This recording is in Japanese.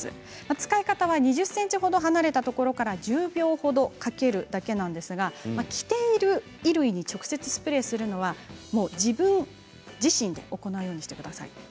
使い方は２０ｃｍほど離れたところから１０秒ほどかけるだけなんですが着ている衣類に直接スプレーするときは必ず自分で行ってください。